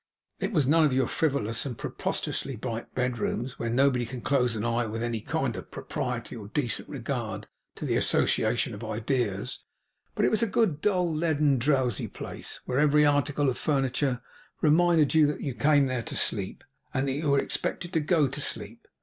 It was none of your frivolous and preposterously bright bedrooms, where nobody can close an eye with any kind of propriety or decent regard to the association of ideas; but it was a good, dull, leaden, drowsy place, where every article of furniture reminded you that you came there to sleep, and that you were expected to go to sleep.